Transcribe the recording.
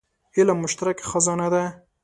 علم مشترکه خزانه ده.